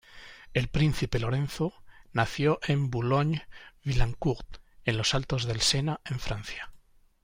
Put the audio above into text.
El príncipe Lorenzo nació en Boulogne-Billancourt, en los Altos del Sena, en Francia.